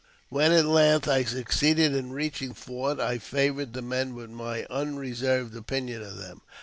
When at length I succeeded in reaching the fort, I favoured the men with my unreserved opinion of them.